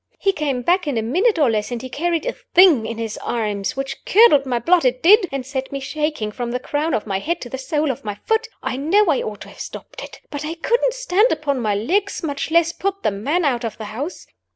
He came back in a minute or less; and he carried a Thing in his arms which curdled my blood it did! and set me shaking from the crown of my head to the sole of my foot. I know I ought to have stopped it; but I couldn't stand upon my legs, much less put the man out of the house.